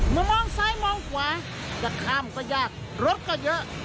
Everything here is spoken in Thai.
มองซ้ายมองขวาจะข้ามก็ยากรถก็เยอะ